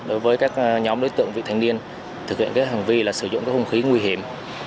đối với các nhóm đối tượng vị thanh niên thực hiện các hành vi sử dụng các hung khí nguy hiểm